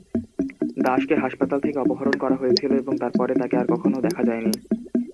দাসকে হাসপাতাল থেকে অপহরণ করা হয়েছিল এবং তার পরে তাকে আর কখনও দেখা যায়নি।